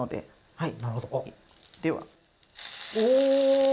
はい。